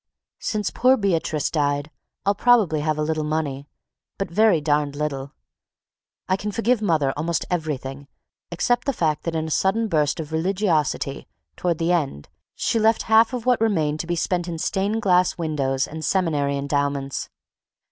Since poor Beatrice died I'll probably have a little money, but very darn little. I can forgive mother almost everything except the fact that in a sudden burst of religiosity toward the end, she left half of what remained to be spent in stained glass windows and seminary endowments.